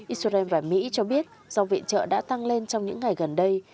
israel và mỹ cho biết dòng viện trợ đã tăng lên trong những ngày gần đây